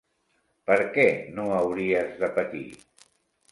Per què no hauries de patir?